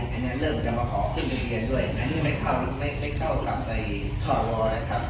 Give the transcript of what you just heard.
อันนั้นเริ่มจะมาขอขึ้นทะเบียนด้วยอันนี้ไม่เข้าไม่เข้ากลับไปสวนะครับ